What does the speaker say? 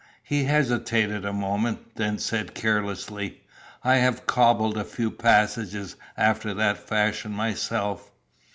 He hesitated a moment; then said carelessly: "I have cobbled a few passages after that fashion myself."